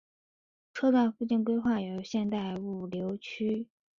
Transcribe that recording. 车站附近规划有现代物流区。